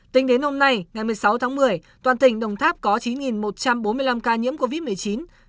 tính đến hôm nay ngày một mươi sáu tháng một mươi toàn tỉnh đồng tháp có chín một trăm bốn mươi năm ca nhiễm covid một mươi chín